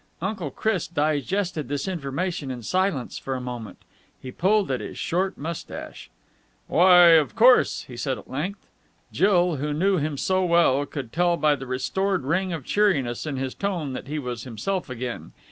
Uncle Chris digested this information in silence for a moment He pulled at his short moustache. "Why, of course!" he said at length. Jill, who knew him so well, could tell by the restored ring of cheeriness in his tone that he was himself again.